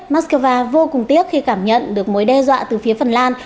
moscow vô cùng tiếc khi cảm nhận được mối đe dọa từ phía phần lan